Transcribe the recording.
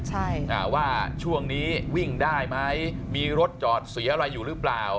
ใช่อ่าว่าช่วงนี้วิ่งได้ไหมมีรถจอดเสียอะไรอยู่หรือเปล่า